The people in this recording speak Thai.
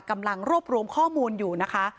กำลังรวบรวมข้อมูลอยู่นะคะ